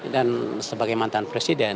dan sebagai mantan presiden